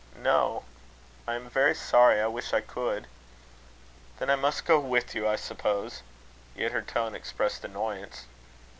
"No. I am very sorry. I wish I could." "Then I must go with you, I suppose." Yet her tone expressed annoyance.